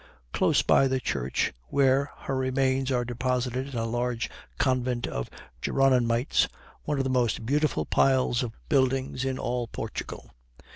Close by the church where her remains are deposited is a large convent of Geronymites, one of the most beautiful piles of building in all Portugal.